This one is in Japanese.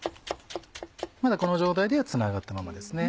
まだこの状態ではつながったままです。